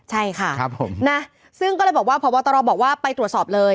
ใช่ค่ะผมนะซึ่งก็เลยบอกว่าพบตรบอกว่าไปตรวจสอบเลย